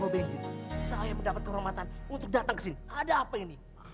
bapak bengi saya mendapat kehormatan untuk datang kesini ada apa ini